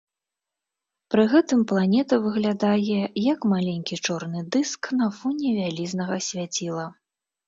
Пры гэтым планета выглядае як маленькі чорны дыск на фоне вялізнага свяціла.